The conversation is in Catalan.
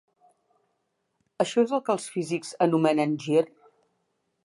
Això és el que els físics anomenen "gir".